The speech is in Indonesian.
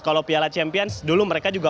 kalau piala champions dulu mereka juga